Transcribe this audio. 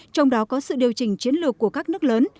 trong đó có sự điều chỉnh chiến lược của các nước lớn